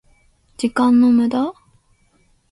時間の無駄？